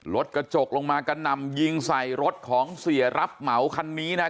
รถกระจกลงมากระหน่ำยิงใส่รถของเสียรับเหมาคันนี้นะฮะ